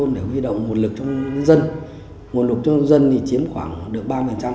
nguồn lục cho dân chiếm khoảng được ba